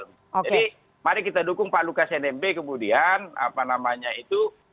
jadi mari kita dukung pak lukas nmb kemudian apa namanya itu